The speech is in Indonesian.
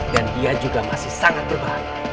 dan dia juga masih sangat berbahaya